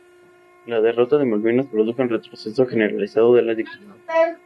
La derrota de Malvinas produjo en retroceso generalizado de la Dictadura.